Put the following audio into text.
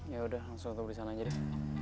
ya udah langsung ke sana aja deh